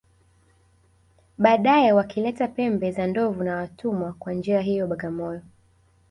Baadae wakileta pembe za ndovu na watumwa Kwa njia hiyo Bagamoyo